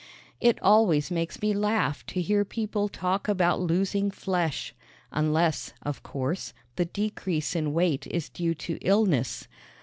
It always makes me laugh to hear people talk about losing flesh unless, of course, the decrease in weight is due to illness.